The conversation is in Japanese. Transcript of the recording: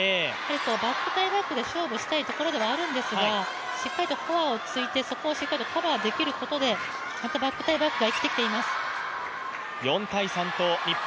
バック対バックで勝負したいところなんですがしっかりフォアを突いてそこをしっかりとカバーできることでバック対バックが生きてきます。